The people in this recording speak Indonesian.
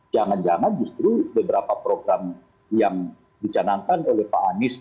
jangan jangan justru beberapa program yang dicanangkan oleh pak anies